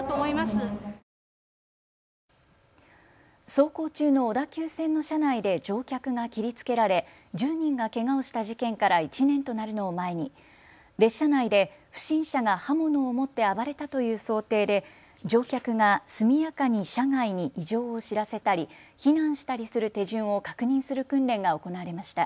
走行中の小田急線の車内で乗客が切りつけられ１０人がけがをした事件から１年となるのを前に列車内で不審者が刃物を持って暴れたという想定で乗客が速やかに車外に異常を知らせたり避難したりする手順を確認する訓練が行われました。